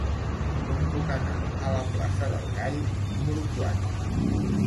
Com puc anar a la plaça del Gall número quatre?